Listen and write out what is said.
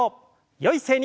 よい姿勢に。